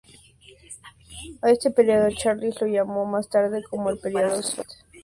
A este período, Charles lo llamó más tarde como el "periodo Sunset Boulevard".